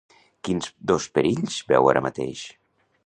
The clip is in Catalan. Quins dos perills veu ara mateix?